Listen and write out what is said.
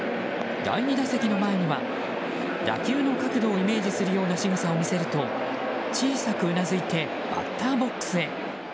第２打席の前には打球の角度をイメージするようなしぐさを見せると小さくうなずいてバッターボックスへ。